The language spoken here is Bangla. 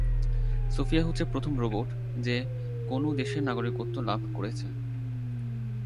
সোফিয়া হচ্ছে প্রথম রোবট যে কোন দেশের নাগরিকত্ব লাভ করেছে।